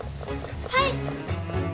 はい！